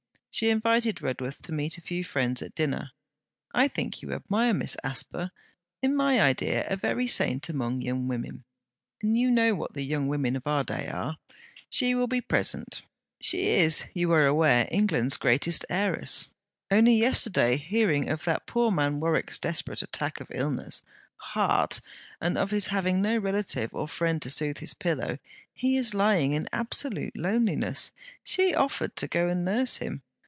She invited Redworth to meet a few friends at dinner. 'I think you admire Miss Asper: in my idea a very saint among young women; and you know what the young women of our day are. She will be present. She is, you are aware, England's greatest heiress. Only yesterday, hearing of that poor man Mr. Warwick's desperate attack of illness heart! and of his having no relative or friend to soothe his pillow, he is lying in absolute loneliness, she offered to go and nurse him!